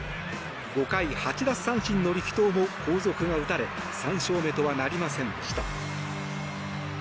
５回８奪三振の力投も後続が打たれ３勝目とはなりませんでした。